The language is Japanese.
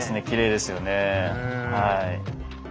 きれいですよね。